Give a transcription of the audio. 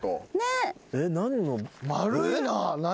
丸いな何？